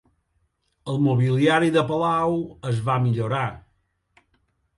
El mobiliari de palau es va millorar.